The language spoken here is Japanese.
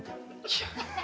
いや。